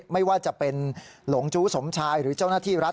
ไม่ว่าจะเป็นหลงจู้สมชายหรือเจ้าหน้าที่รัฐ